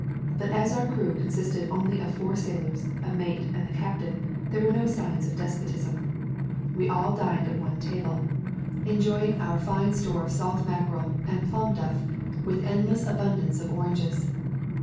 But as our crew consisted only of four sailors, a mate, and the captain, there were no signs of despotism. We all dined at one table, [ 179 ] A Thousand Mile Walp enjoying our fine store of salt mackerel and plum duff, with endless abundance of oranges.